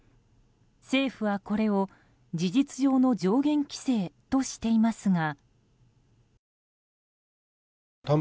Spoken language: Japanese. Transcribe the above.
政府はこれを事実上の上限規制としていますが。